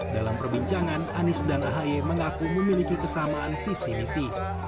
dalam perbincangan anies dan ahy mengaku memiliki kesamaan visi misi